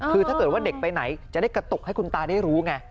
คือถ้าเกิดว่าเด็กไปไหนจะได้กระตุกให้คุณตาได้รู้ไง